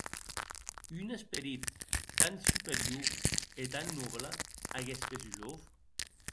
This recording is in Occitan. Un esperit tan superior e tan nòble aguest Bezujov!